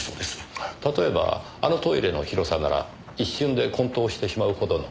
例えばあのトイレの広さなら一瞬で昏倒してしまうほどの。